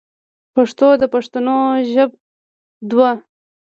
پښتو د پښتنو ژبه دو.